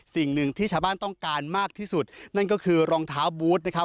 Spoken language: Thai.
สิ่งหนึ่งที่ชาวบ้านต้องการมากที่สุดนั่นก็คือรองเท้าบูธนะครับ